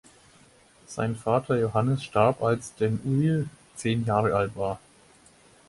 Sein Vater Johannes starb, als Den Uyl zehn Jahre alt war.